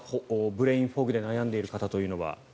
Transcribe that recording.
ブレインフォグで悩んでいる方というのは。